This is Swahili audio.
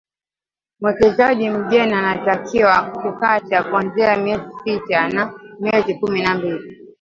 Mwekezaji mgeni anatakiwa kukata kuanzia miezi sita na miezi kumi na mbili